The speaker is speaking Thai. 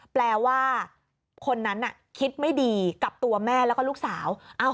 แปลว่าคนนั้นคิดไม่ดีกับตัวแม่แล้วก็ลูกสาว